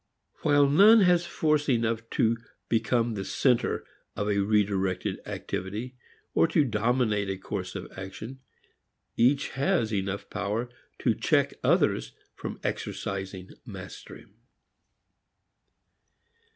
While none has force enough to become the center of a re directed activity, or to dominate a course of action, each has enough power to check others from exercising mastery.